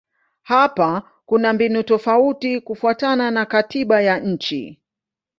Hapa kuna mbinu tofauti kufuatana na katiba ya nchi.